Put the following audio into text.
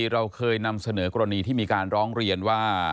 เราเคยนำเสนอกรณีที่มีการร้องเรียนว่า